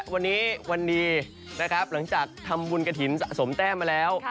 วันนี้วันนี้นะครับหลังจากทำบุญกระถิ่นสะสมแต้มมาแล้ว